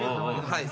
はい。